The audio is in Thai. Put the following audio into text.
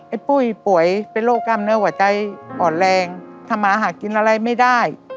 ปุ้ยป่วยเป็นโรคกล้ามเนื้อหัวใจอ่อนแรงทำมาหากินอะไรไม่ได้